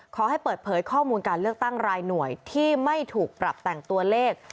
ขอให้เปิดเผยข้อมูลการเลือกตั้งรายหน่วยที่ไม่ถูกปรับแต่งตัวเลข